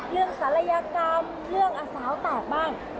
เรื่องศาลยกรรมเรื่องอาสาวแตกบ้าง